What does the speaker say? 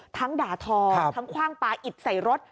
ด่าทอทั้งคว่างปลาอิดใส่รถ